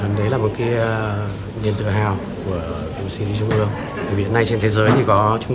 hẳn đấy là một cái niềm tự hào của viện vệ sinh trung ương vì hiện nay trên thế giới thì có trung